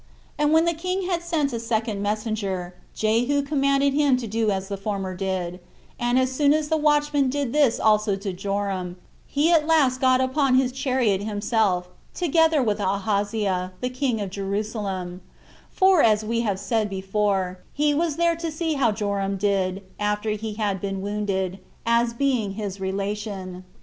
And when the king had sent a second messenger, Jehu commanded him to do as the former did; and as soon as the watchman told this also to Joram, he at last got upon his chariot himself, together with Ahaziah, the king of Jerusalem; for, as we said before, he was there to see how Joram did, after he had been wounded, as being his relation.